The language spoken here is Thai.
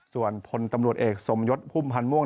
ส่วนพลตำรวจเอกสมยศพุ่มพันธ์ม่วง